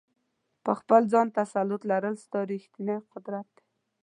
په خپل ځان تسلط لرل، ستا ریښتنی قدرت دی.